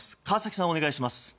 川崎さん、お願いします。